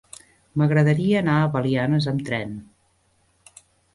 M'agradaria anar a Belianes amb tren.